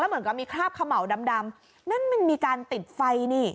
แล้วเหมือนก็มีคราบขะเหมาดำนั่นมันมีการติดไฟนี่